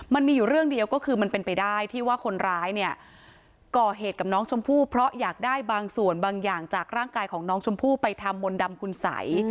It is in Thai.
มันมีอยู่เรื่องเดียวก็คือมันเป็นไปได้ที่ว่าคนร้ายเนี่ยก่อเหตุกับน้องชมพู่เพราะอยากได้บางส่วนบางอย่างจากร่างกายของน้องชมพู่ไปทำมนต์ดำคุณสัย